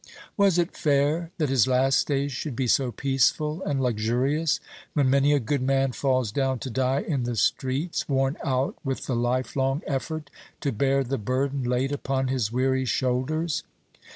Was it fair that his last days should be so peaceful and luxurious, when many a good man falls down to die in the streets, worn out with the life long effort to bear the burden laid upon his weary shoulders?